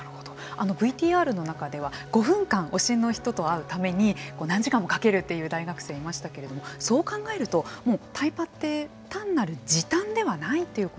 あのＶＴＲの中では５分間推しの人と会うために何時間もかけるっていう大学生いましたけれどもそう考えるともうタイパって単なる時短でないっていうこと。